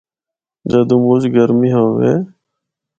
جدّوں مُچ گرمی ہوّے۔